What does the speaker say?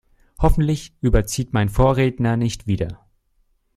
Hoffentlich überzieht mein Vorredner nicht wieder.